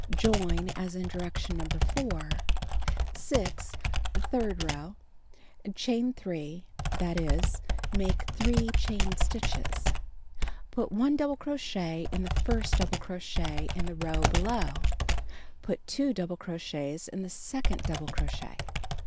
Join as in direction No. 4 (bottom of page 236). 6. Third row: Chain 3; that is, make 3 chain stitches. Put 1 double crochet in the first double crochet in the row below. Put 2 double crochets in the second double crochet.